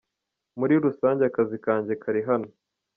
Muri rusange akazi kanjye kari hano.